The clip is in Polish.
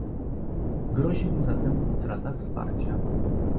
Grozi mu zatem utrata wsparcia